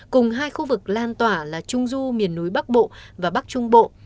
cùng hai khu vực lan tỏa là trung du miền núi bắc bộ và bắc trung bộ